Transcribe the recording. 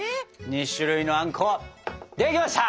２種類のあんこできました！